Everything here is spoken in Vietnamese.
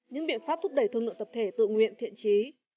những biện pháp thúc đẩy thương lượng tập thể tự nguyện thiện trí